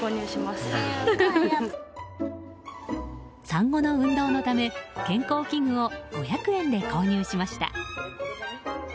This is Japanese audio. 産後の運動のため健康器具を５００円で購入しました。